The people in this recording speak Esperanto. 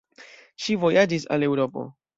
Ŝi vojaĝis al Eŭropo.